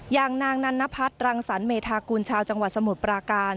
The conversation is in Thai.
อย่างนางนันนพัฒน์รังสรรเมธากุลชาวจังหวัดสมุทรปราการ